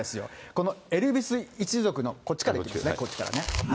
このエルビス一族の、こっちからいきますね、こっちからね。